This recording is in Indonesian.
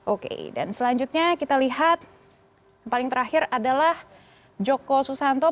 oke dan selanjutnya kita lihat paling terakhir adalah joko susanto